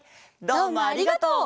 どうもありがとう！